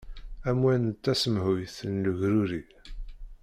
Amwan d tasemhuyt n legruri.